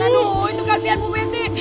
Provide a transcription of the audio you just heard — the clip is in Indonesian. aduh itu kasihan bu metry